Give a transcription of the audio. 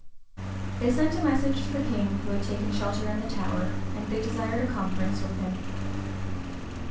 [*] They sent a message to the king, who had taken shelter in the Tower; and they desired a conference with him.